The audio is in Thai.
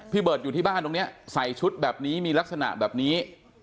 เบิร์ตอยู่ที่บ้านตรงนี้ใส่ชุดแบบนี้มีลักษณะแบบนี้